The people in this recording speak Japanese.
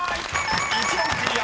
１問クリア！